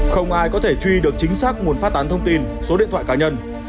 không ai có thể truy được chính xác nguồn phát tán thông tin số điện thoại cá nhân